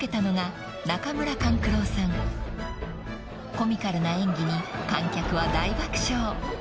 ［コミカルな演技に観客は大爆笑］